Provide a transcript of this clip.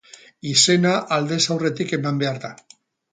Izena aldez aurretik eman behar da.